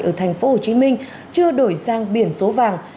ở tp hcm chưa đổi sang biển số vàng